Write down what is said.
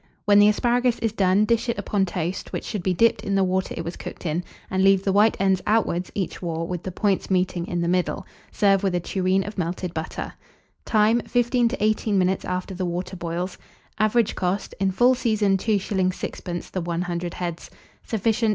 When the asparagus is done, dish it upon toast, which should be dipped in the water it was cooked in, and leave the white ends outwards each war, with the points meeting in the middle. Serve with a tureen of melted butter. Time. 15 to 18 minutes after the water boils. Average cost, in full season, 2s. 6d. the 100 heads. Sufficient.